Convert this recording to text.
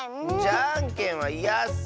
じゃんけんはいやッス！